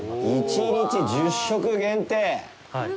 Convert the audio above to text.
１日１０食限定？